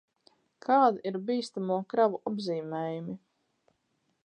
Kādi ir bīstamo kravu apzīmējumi?